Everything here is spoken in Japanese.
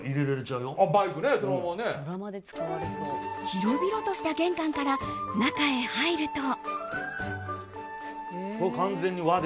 広々とした玄関から中へ入ると。